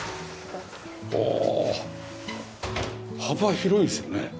幅広いですよね？